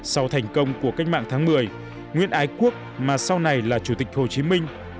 sau thành công của cách mạng tháng một mươi nguyễn ái quốc mà sau này là chủ tịch hồ chí minh